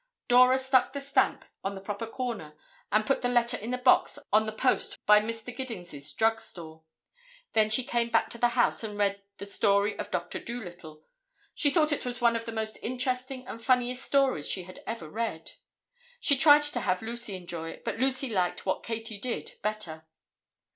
Dora stuck the stamp on the proper corner and put the letter in the box on the post by Mr. Giddings' drug store. Then she came back to the house and read the "Story of Doctor Dolittle." She thought it was one of the most interesting and funniest stories she had ever read. She tried to have Lucy enjoy it, but Lucy liked "What Katy Did" better.